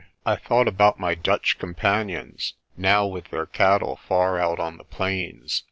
I thought about my Dutch companions, now with their cattle far out on the plains.